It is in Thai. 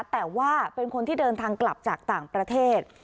แต่ว่าเป็นคนที่เดินทางกลับจากต่างประเทศ